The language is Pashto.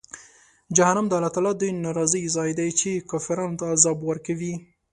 جهنم د الله تعالی د ناراضۍ ځای دی، چې کافرانو ته عذاب ورکوي.